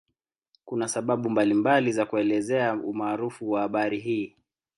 Kuna sababu mbalimbali za kuelezea umaarufu wa bahari hii.